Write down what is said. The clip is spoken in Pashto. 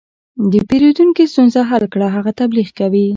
د پیرودونکي ستونزه حل کړه، هغه تبلیغ کوي.